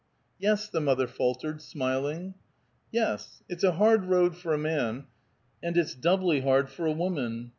"Yes," the mother faltered, smiling. "Yes. It's a hard road for a man, and it's doubly hard for a woman.